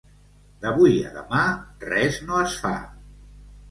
D'avui a demà res no es fa.